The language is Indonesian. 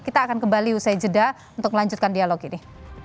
kita akan kembali usai jeda untuk melanjutkan dialog ini